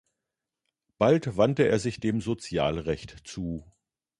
Bald wandte er sich dem Sozialrecht zu.